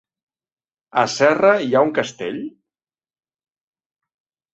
A Serra hi ha un castell?